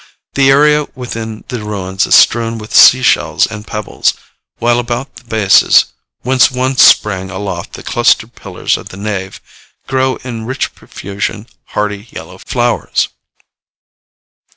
The area within the ruins is strewn with sea shells and pebbles, while about the bases, whence once sprang aloft the clustered pillars of the nave, grow in rich profusion hardy yellow flowers.